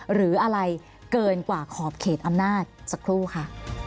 หรืออะไรเกินกว่าขอบเขตอำนาจสักครู่ค่ะ